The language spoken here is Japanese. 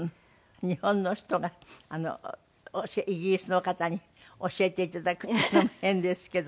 日本の人がイギリスの方に教えて頂くっていうのも変ですけども。